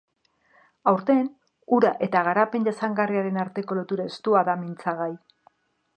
Aurten, ura eta garapen jasangarriaren arteko lotura estua da mintzagai.